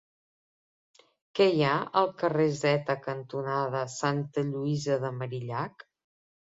Què hi ha al carrer Zeta cantonada Santa Lluïsa de Marillac?